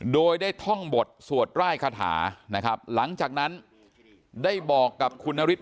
โดยได้ท่องบทสวดร่ายคาถานะครับหลังจากนั้นได้บอกกับคุณนฤทธ